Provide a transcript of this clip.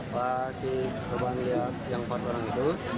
pak si korban lihat yang empat orang itu